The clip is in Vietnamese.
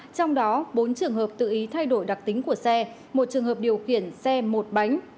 trong đó bốn trường hợp tự ý thay đổi đặc tính của xe một trường hợp điều khiển xe một bánh